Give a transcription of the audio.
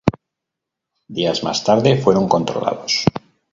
Días más tarde fueron controlados.